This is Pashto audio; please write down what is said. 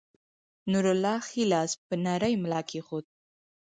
نورالله ښے لاس پۀ نرۍ ملا کېښود